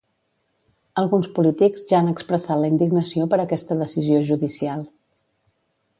Alguns polítics ja han expressat la indignació per aquesta decisió judicial.